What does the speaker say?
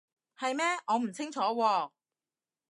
係咩？我唔清楚喎